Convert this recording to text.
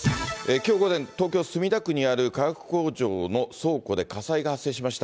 きょう午前、東京・墨田区にある化学工場の倉庫で火災が発生しました。